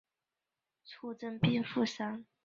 佐贺之乱时随军出征并负伤。